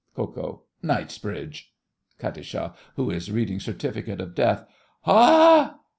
KO. Knightsbridge! KAT. (who is reading certificate of death). Ha!